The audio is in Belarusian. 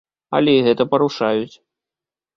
Але і гэта парушаюць.